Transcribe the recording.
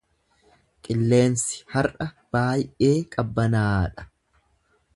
Qilleensi har’a baay’ee qabbanaadha.